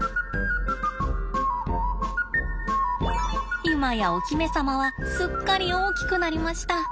今やお姫様はすっかり大きくなりました。